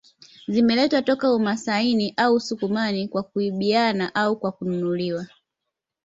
Zimeletwa toka umasaini au usukumani kwa kuibiwa au kwa kununuliwa